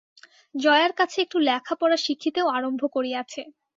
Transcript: জয়ার কাছে একটু লেখাপড়া শিখিতেও আরম্ভ করিয়াছে।